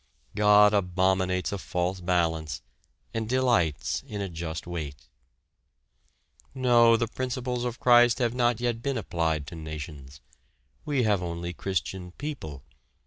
God abominates a false balance, and delights in a just weight. No, the principles of Christ have not yet been applied to nations. We have only Christian people.